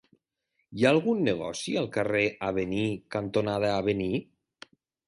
Hi ha algun negoci al carrer Avenir cantonada Avenir?